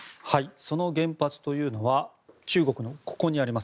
その原発というのは中国のここにあります。